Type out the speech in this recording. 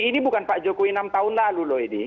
ini bukan pak jokowi enam tahun lalu loh ini